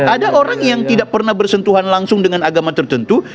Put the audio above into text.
ada orang yang tidak pernah bersentuhan langsung dengan agama tertentu